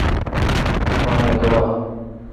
اپان نہ کڑہ۔